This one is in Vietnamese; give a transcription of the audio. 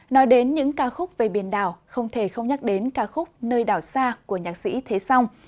nói đến những ca khúc về biển đảo không thể không nhắc đến ca khúc nơi đảo xa của nhạc sĩ thế song